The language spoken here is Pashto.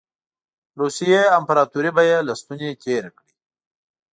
روسیې امپراطوري به یې له ستوني تېره کړي.